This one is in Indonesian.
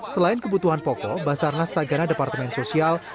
selain kebutuhan pokok basarnas tagana departemen sosial